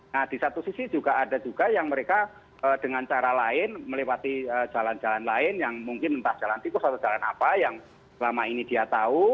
nah di satu sisi juga ada juga yang mereka dengan cara lain melewati jalan jalan lain yang mungkin entah jalan tikus atau jalan apa yang selama ini dia tahu